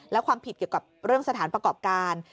และความผิดเกี่ยวกับเรื่องสถานประกอบการ